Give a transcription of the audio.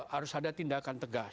harus ada tindakan